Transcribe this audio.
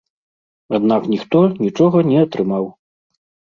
Аднак ніхто нічога не атрымаў.